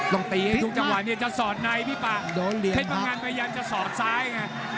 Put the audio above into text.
ต้องตีให้ทุกจังหวะเนี่ยจะสอดในพี่ป่าเพชรพังงันพยายามจะสอดซ้ายไง